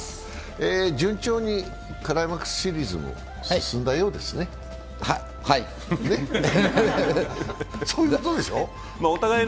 順調にクライマックスシリーズも進んだようですね。ははい。